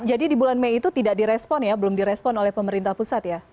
jadi di bulan mei itu tidak direspon ya belum direspon oleh pemerintah pusat ya